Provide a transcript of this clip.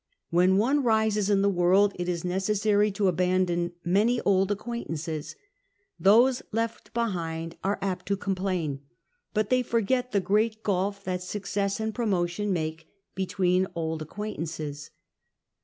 When one rises in the world it is necessary to abandon many old acquaintances ; those left behind are apt to complain, but they forget the great gulf that success and promotion make between old acquaintances.